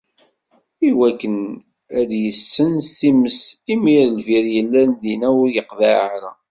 Iwakken adye ssens times imi lbir yellan dinna ur yeqḍiɛ ara.